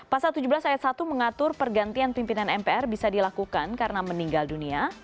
pasal tujuh belas ayat satu mengatur pergantian pimpinan mpr bisa dilakukan karena meninggal dunia